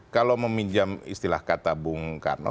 kalau meminjam istilah kata bung karno